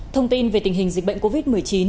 thông tin về tình hình dịch bệnh covid một mươi chín